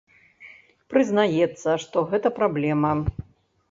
Прызнаецца, што гэта праблема.